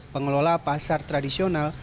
pengelola pasar tradisional